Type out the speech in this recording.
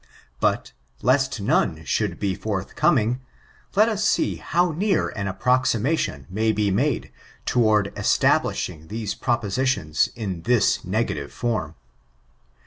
Bat, lest noue sboold be forthcomiDg» let us see how near an approximation may be made toward establishing these propositions in this negative form.